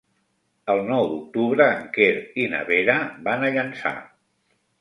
El nou d'octubre en Quer i na Vera van a Llançà.